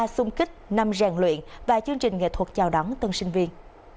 ba sung kích năm ràng luyện và chương trình nghệ thuật chào đón tân sinh viên